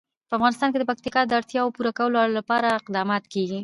په افغانستان کې د پکتیکا د اړتیاوو پوره کولو لپاره اقدامات کېږي.